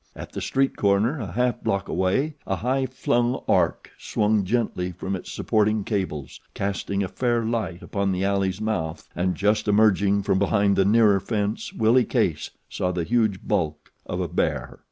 At the street corner a half block away a high flung arc swung gently from its supporting cables, casting a fair light upon the alley's mouth, and just emerging from behind the nearer fence Willie Case saw the huge bulk of a bear.